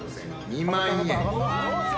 ２万円。